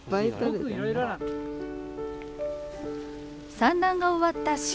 産卵が終わった４月。